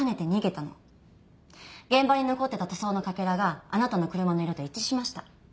現場に残ってた塗装のかけらがあなたの車の色と一致しました。